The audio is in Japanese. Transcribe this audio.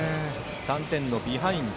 ３点のビハインド